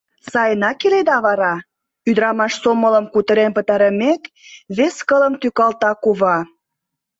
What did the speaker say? — Сайынак иледа вара? — ӱдырамаш сомылым кутырен пытарымек, вес кылым тӱкалта кува.